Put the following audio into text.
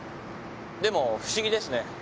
でも不思議ですね。